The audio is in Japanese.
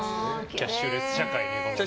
キャッシュレス社会にね。